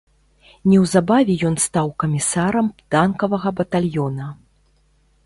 Неўзабаве ён стаў камісарам танкавага батальёна.